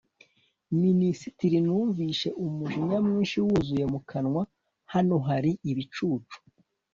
minisitiri, numvise umujinya mwinshi wuzuye mu kanwa. hano hari ibicucu